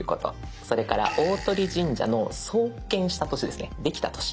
それから大鳥神社の創建した年ですねできた年。